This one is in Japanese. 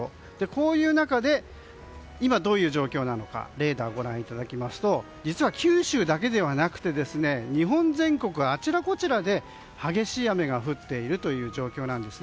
その中で今、どういう状況なのかレーダーをご覧いただくと実は九州だけではなくて日本全国あちらこちらで激しい雨が降っている状況なんです。